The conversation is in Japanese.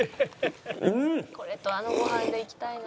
「これとあのご飯でいきたいな」